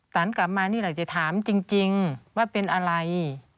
กลับมานี่แหละจะถามจริงว่าเป็นอะไร